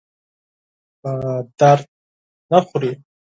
په درد نه خوري.